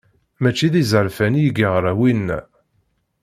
Mačči d izerfan i yeɣra winna.